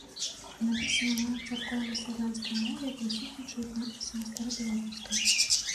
Напісана на царкоўнаславянскай мове, прысутнічаюць надпісы на старабеларускай.